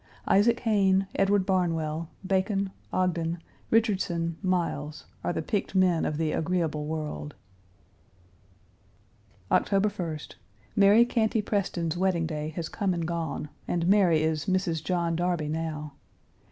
Isaac Hayne, Edward Barnwell, Bacon, Ogden, Richardson, Miles are the picked men of the agreeable world. October 1st. Mary Cantey Preston's wedding day has come and gone and Mary is Mrs. John Darby now.